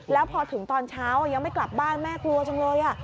แล้วพอถึงตอนเช้ายังไม่กลับบ้านแม่กลัวจังเลย